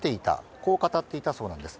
こう語っていたそうなんです。